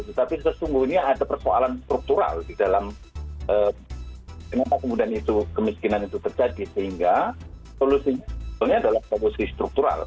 tetapi sesungguhnya ada persoalan struktural di dalam kenapa kemudian itu kemiskinan itu terjadi sehingga solusinya sebetulnya adalah solusi struktural